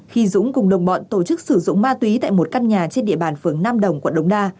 khi dũng cùng đồng bọn tổ chức sử dụng ma túy tại một căn nhà trên địa bàn phường nam đồng quận đống đa